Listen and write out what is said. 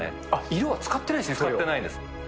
色は使ってないんですね、使ってないです。